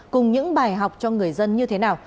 cùng những bài học cho người dân như thế nào